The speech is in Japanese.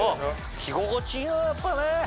着心地いいなやっぱね！